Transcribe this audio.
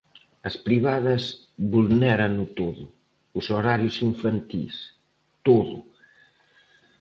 As privadas vulnérano todo, os horarios infantís, todo.